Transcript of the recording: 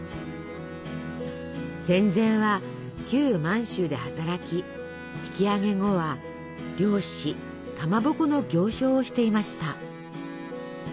戦前は旧満州で働き引き揚げ後は漁師かまぼこの行商をしていました。